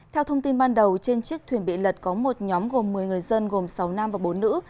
theo thông tin ban đầu trên chiếc thuyền bị lật có một nhóm gồm một mươi người dân gồm sáu nam và bốn nữ